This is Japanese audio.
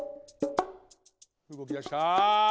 うごきだした。